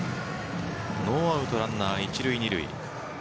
ノーアウトランナー、１塁２塁。